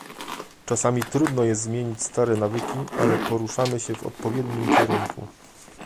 Czasami trudno jest zmienić stare nawyki, ale poruszamy się w odpowiednim kierunku